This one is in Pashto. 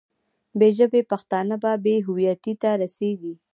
بې ژبې پښتانه به بې هویتۍ ته رسېږي.